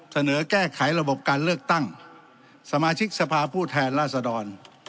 เสนอแก้ไขระบบการเลือกตั้งสมาชิกสภาพผู้แทนราษดร